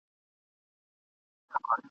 جنرالانو په خپل منځ کي مخالفت درلود.